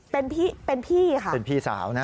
เป็นพี่เป็นพี่ค่ะเป็นพี่สาวนะ